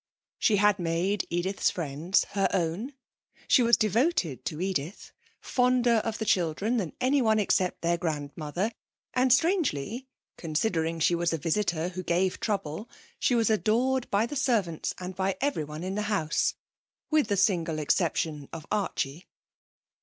She had made Edith's friends her own. She was devoted to Edith, fonder of the children than anyone except their grandmother, and strangely, considering she was a visitor who gave trouble, she was adored by the servants and by everyone in the house, with the single exception of Archie.